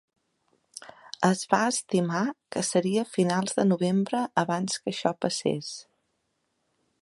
Es va estimar que seria finals de novembre abans que això passés.